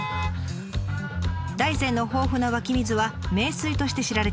大山の豊富な湧き水は名水として知られています。